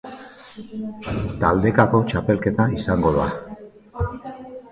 Taldekako txapelketa izango da.